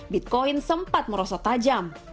bitcoin sempat merosot tajam